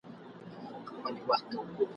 چا یې پښې چا ګودړۍ ورمچوله ..